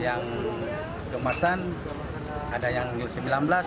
yang gemasan ada yang sembilan belas delapan belas sampai dua puluh